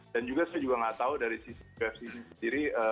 dan juga saya juga gak tahu dari sisi ufc sendiri